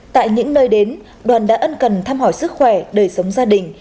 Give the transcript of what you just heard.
tại những nơi đến đoàn đã ân cần thăm hỏi sức khỏe đời sống gia đình